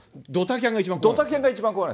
ドタキャンが困る。